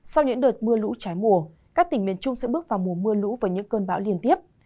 sau những đợt mưa lũ trái mùa các tỉnh miền trung sẽ bước vào mùa mưa lũ và những cơn bão liên tiếp